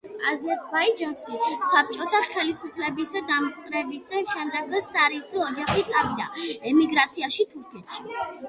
აზერბაიჯანში საბჭოთა ხელისუფლების დამყარების შემდეგ სარის ოჯახი წავიდა ემიგრაციაში თურქეთში.